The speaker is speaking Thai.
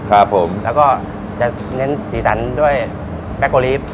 แล้วก็เน้นสีสันด้วยแปตโกลีป